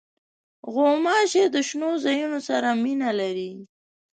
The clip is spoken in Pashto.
غوماشې د شنو ځایونو سره مینه لري.